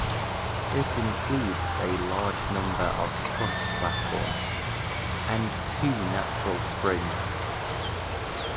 It includes a large number of hut platforms, and two natural springs.